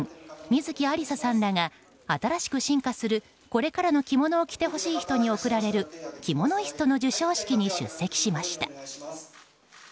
観月ありささんらが新しく進化するこれからの着物を着てほしい人に贈られるキモノイストの授賞式に出席しました。